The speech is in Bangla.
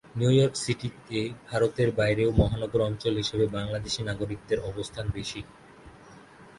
নিউইয়র্ক সিটিতে ভারতের বাইরেও মহানগর অঞ্চল হিসেবে বাংলাদেশি নাগরিকদের অবস্থান বেশি।